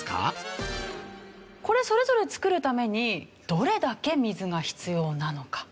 これそれぞれ作るためにどれだけ水が必要なのか。